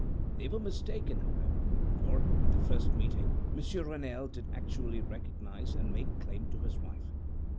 They were mistaken, however, for, at the first meeting, Monsieur Renelle did actually recognize and make claim to his wife.